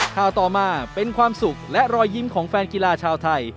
ข่าวต่อมาเป็นความสุขและรอยยิ้มของแฟนกีฬาชาวไทย